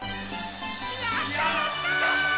やった！